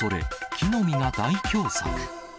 木の実が大凶作。